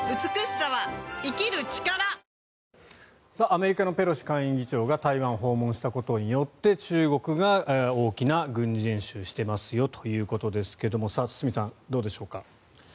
アメリカのペロシ下院議長が台湾を訪問したことによって中国が大きな軍事演習をしていますよということですが堤さん、どうでしょうか。